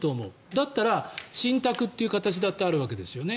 だったら信託という形だってあると思うんですね。